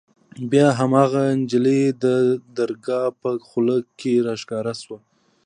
بيا هماغه نجلۍ د درګاه په خوله کښې راښکاره سوه.